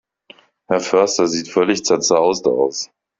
Herr Förster sieht völlig zerzaust aus.